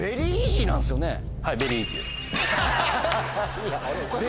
はい。